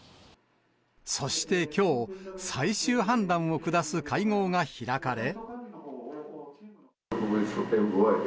そしてきょう、最終判断を下す会合が開かれ。